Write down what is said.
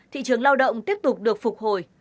thị trường lao động tiếp tục được phục hồi